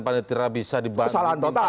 panitra bisa dibantuin